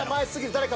誰か。